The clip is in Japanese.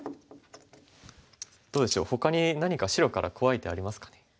どうでしょうほかに何か白から怖い手ありますかね。